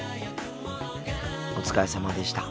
お疲れさまでした。